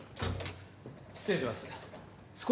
失礼します。